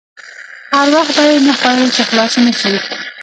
هر وخت به یې نه خوړلې چې خلاصې نه شي.